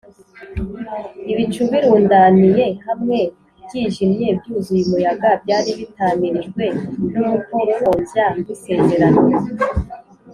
Ibicu birundaniye hamwe, byijimye byuzuye umuyaga, byari bitamirijwe n’umukororombya w’isezerano